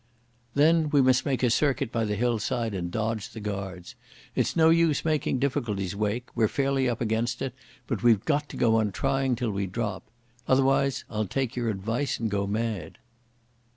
"Then we must make a circuit by the hillside and dodge the guards. It's no use making difficulties, Wake. We're fairly up against it, but we've got to go on trying till we drop. Otherwise I'll take your advice and go mad."